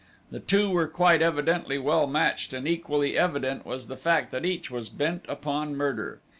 The two were quite evidently well matched and equally evident was the fact that each was bent upon murder.